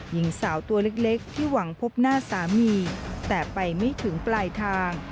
หญิงสาวตัวเล็กที่หวังพบหน้าสามีแต่ไปไม่ถึงปลายทาง